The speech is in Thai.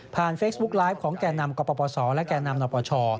เฟซบุ๊กไลฟ์ของแก่นำกปศและแก่นำนปช